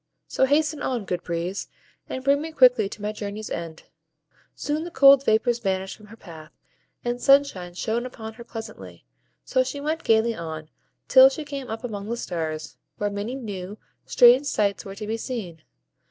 So hasten on, good Breeze, and bring me quickly to my journey's end." Soon the cold vapors vanished from her path, and sunshine shone upon her pleasantly; so she went gayly on, till she came up among the stars, where many new, strange sights were to be seen.